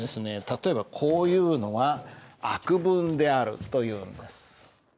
例えばこういうのは「悪文である」というんです。